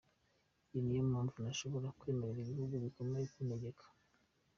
Iyi niyo mpamvu ntashobora kwemerera ibihugu bikomeye kuntegeka.